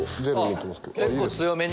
結構強めに？